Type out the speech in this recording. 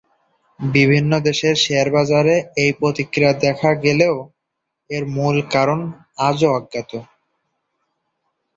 বিভিন্ন দেশের শেয়ার বাজারে এই প্রতিক্রিয়া দেখা গেলে-ও এর-মূল কারণ আজও অজ্ঞাত।